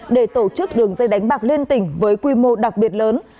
để tổ chức đường dây đánh bạc liên tỉnh với quy mô đặc biệt lớn